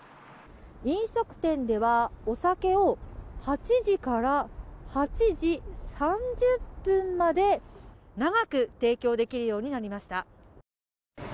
飲食店ではお酒を８時から８時３０分まで長く提供できるようになりました。